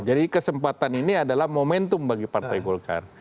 jadi kesempatan ini adalah momentum bagi partai golkar